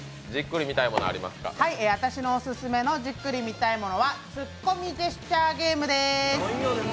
私のオススメのじっくり見たいものは「ツッコミジェスチャーゲーム」です。